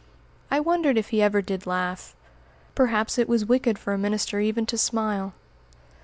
I wondered if he ever did laugh. Perhaps it was wicked for a minister even to smile.